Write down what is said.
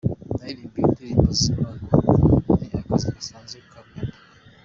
Naririmbye indirimbo z’Imana, ni akazi gasanzwe kampemba.